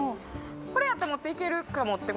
これやったら持っていけるかもって事？